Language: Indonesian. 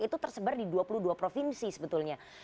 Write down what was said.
itu tersebar di dua puluh dua provinsi sebetulnya